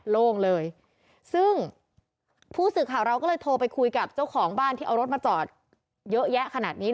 โล่งเลยซึ่งผู้สื่อข่าวเราก็เลยโทรไปคุยกับเจ้าของบ้านที่เอารถมาจอดเยอะแยะขนาดนี้